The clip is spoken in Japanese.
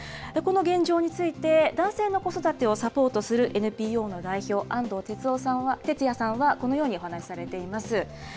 この現状について、男性の子育てをサポートするＮＰＯの代表、安藤哲也さんはこのようにお話されています。